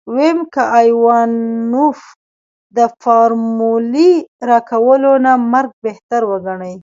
ويم که ايوانوف د فارمولې راکولو نه مرګ بهتر وګڼي.